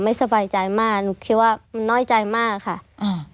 ไม่สบายใจมากหนูคิดว่าน้อยใจมากค่ะอืม